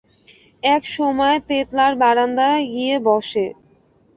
এক সময় তেতলার বারান্দায় গিয়ে বসে।